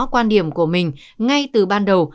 quan điểm của mình ngay từ ban đầu